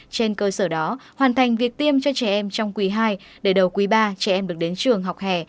trên cơ sở đó hoàn thành việc tiêm cho trẻ em trong quý ii để đầu quý ba trẻ em được đến trường học hè